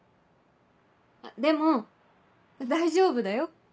あっでも大丈夫だよ。